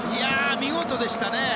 見事でしたね。